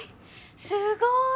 すごーい！